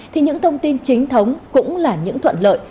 thì những thông tin chính thống cũng là những thuận lợi